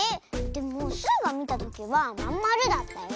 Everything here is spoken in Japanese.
でもスイがみたときはまんまるだったよ。